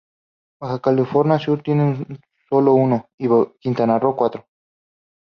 Baja California Sur tiene sólo uno, y Quintana Roo, cuatro.